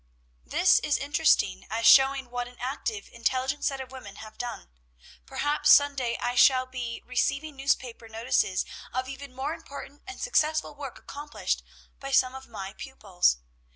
"This is interesting, as showing what an active, intelligent set of women have done. "Perhaps some day I shall be receiving newspaper notices of even more important and successful work accomplished by some of my pupils.